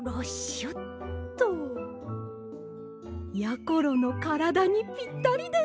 しょっと。やころのからだにぴったりです！